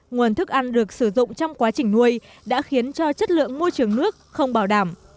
nguồn thức ăn được sử dụng trong quá trình nuôi đã khiến cho chất lượng môi trường nước không bảo đảm